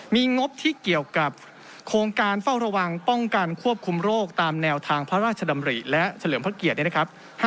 มีงบที่เกี่ยวกับโครงการเฝ้าระวังป้องกันควบคุมโรคตามแนวทางพระราชดำริและเฉลิมพระเกียรติเนี่ยนะครับ